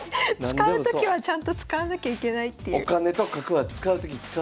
使うときはちゃんと使わなきゃいけないっていう。